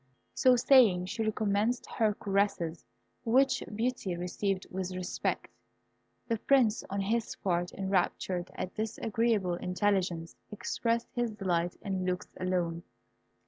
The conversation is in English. So saying, she recommenced her caresses, which Beauty received with respect. The Prince, on his part, enraptured at this agreeable intelligence, expressed his delight in looks alone.